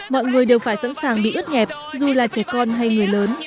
mọi người đều phải sẵn sàng bị ướt nhẹp dù là trẻ con hay người lớn